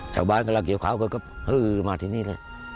ชาวบ้านกำลังเกี่ยวข่าวเขาก็ฮือมาที่นี่แหละ